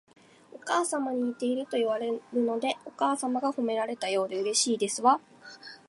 お母様に似ているといわれるので、お母様が褒められたようでうれしいですわ